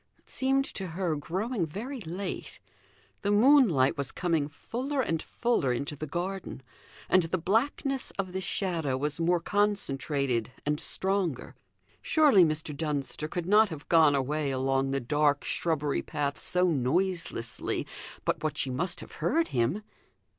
It seemed to her growing very late; the moonlight was coming fuller and fuller into the garden and the blackness of the shadow was more concentrated and stronger. Surely Mr. Dunster could not have gone away along the dark shrubbery path so noiselessly but what she must have heard him?